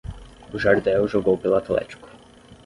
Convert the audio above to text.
O Jardel jogou pelo Atlético.